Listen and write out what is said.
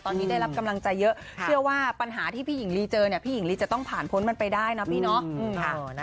ตอนนี้ได้รับกำลังใจเยอะเชื่อว่าปัญหาที่พี่หญิงลีเจอเนี่ยพี่หญิงลีจะต้องผ่านพ้นมันไปได้นะพี่เนาะ